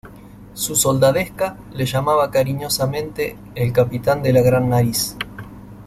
Su soldadesca le llamaba cariñosamente "El capitán de la gran nariz".